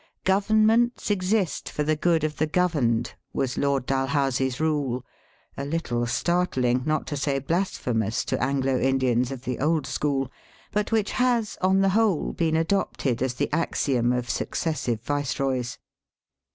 '^ Governments exist for the good of the governed," was Lord Dalhousie's rule, a little startling, not to say blasphemous, to Anglo Indians of the old school, but which has on the whole been adopted as the axiom off successive viceroys.